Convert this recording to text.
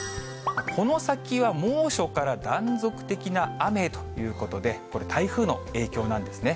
この先は猛暑から断続的な雨へということで、これ、台風の影響なんですね。